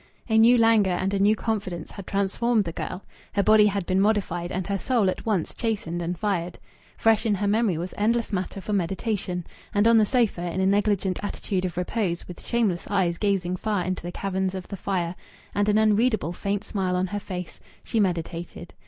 A new languor and a new confidence had transformed the girl. Her body had been modified and her soul at once chastened and fired. Fresh in her memory was endless matter for meditation. And on the sofa, in a negligent attitude of repose, with shameless eyes gazing far into the caverns of the fire, and an unreadable faint smile on her face, she meditated.